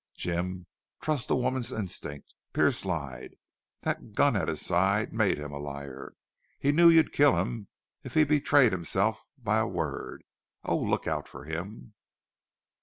"Jim, trust a woman's instinct. Pearce lied. That gun at his side made him a liar. He knew you'd kill him if he betrayed himself by a word. Oh, look out for him!"